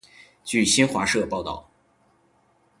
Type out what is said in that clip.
据新华社报道